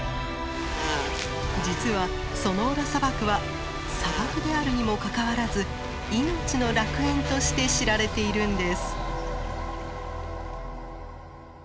実はソノーラ砂漠は砂漠であるにもかかわらず命の楽園として知られているんです。